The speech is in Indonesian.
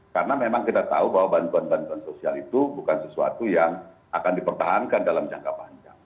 karena memang kita tahu bahwa bantuan bantuan sosial itu bukan sesuatu yang akan dipertahankan dalam jangka panjang